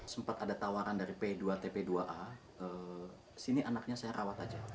sempat ada tawaran dari p dua tp dua a sini anaknya saya rawat aja